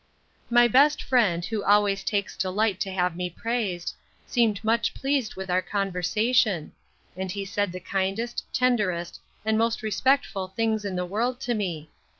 My best friend, who always takes delight to have me praised, seemed much pleased with our conversation; and he said the kindest, tenderest, and most respectful things in the world to me.